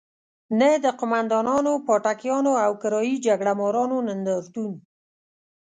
نه د قوماندانانو، پاټکیانو او کرايي جګړه مارانو نندارتون.